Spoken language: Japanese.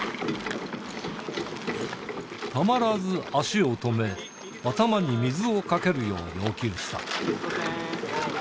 たまらず足を止め、頭に水をかけるよう要求した。